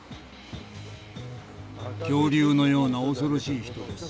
「恐竜のような恐ろしい人です」。